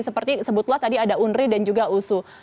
seperti sebutlah tadi ada unri dan juga usu